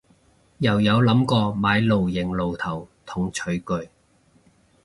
又有諗過買露營爐頭同廚具